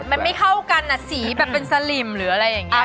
มันไม่เข้ากันสีแบบเป็นสลิมหรืออะไรอย่างนี้